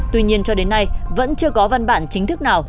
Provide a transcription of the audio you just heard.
tuy nhiên cho đến nay vẫn chưa có văn bản chính thức nào